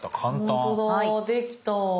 できた。